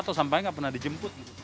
atau sampahnya nggak pernah dijemput